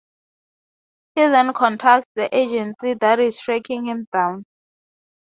He then contacts the agency that is tracking him down.